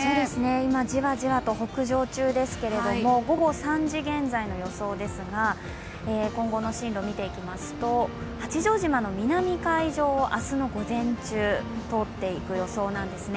今じわじわと北上中ですけれども午後３時現在の予想ですが、今後の進路を見ていきますと八丈島の南海上を明日の午前中通っていく予想なんですね。